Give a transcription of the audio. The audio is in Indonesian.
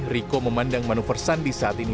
riko memandang manuver sandi saat ini